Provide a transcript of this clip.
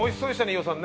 飯尾さんね。